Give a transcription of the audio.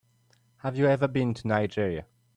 Have you ever been to Nigeria?